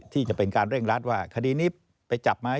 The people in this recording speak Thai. ที่จะเป็นการเร่งรัดว่าคดีนี้ไปจับไหม